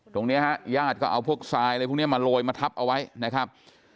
ตรงนี้ฮะญาติก็เอาพวกทรายอะไรพวกนี้มาโรยมาทับเอาไว้นะครับ